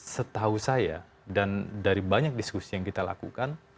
setahu saya dan dari banyak diskusi yang kita lakukan